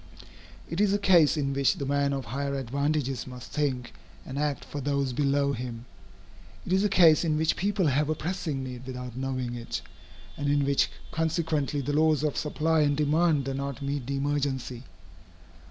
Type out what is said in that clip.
It is a case in which the man of higher advantages must think and act for those below him. It is a case in which people have a pressing need without knowing it, and in which consequently the laws of supply and demand do not meet the emergency.